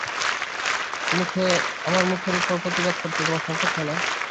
আমার মুখের উপর প্রতিবাদ করতে তোমার সংকোচ হয় না?